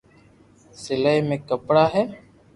سلائي مي ڪپڙا ھي